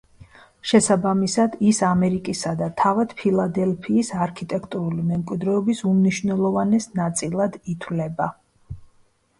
შესაბამისად ის ამერიკისა და თავად ფილადელფიის არქიტექტურული მემკვიდრეობის უმნიშვნელოვანეს ნაწილად ითვლება.